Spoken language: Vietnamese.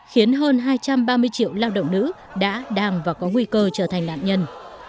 khiến hơn hai trăm ba mươi triệu lao động nữ đã đang và có nguy cơ trở thành nạn nhân